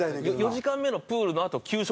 ４時間目のプールのあと給食